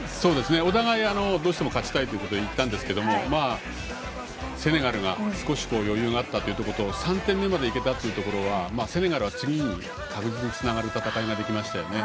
お互い、どうしても勝ちたいということでいったんですけどセネガルが少し余裕があったというのと３点目までいけたというところはセネガルは次に確実につながる戦いができましたよね。